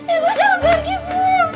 ibu jangan pergi ibu